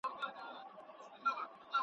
چي فلک به کوږ ورګوري دښمن زما دی.